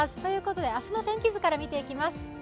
明日の天気図から見ていきます。